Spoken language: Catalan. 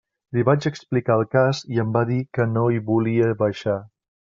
Li vaig explicar el cas i em va dir que no hi volia baixar.